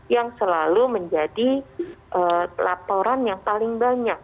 yang selalu menjadi laporan yang paling banyak